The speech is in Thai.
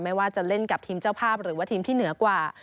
ไม่ว่าจะเล่นกับทีมเจ้าภาพหรือว่าทีมที่เหนือกว่า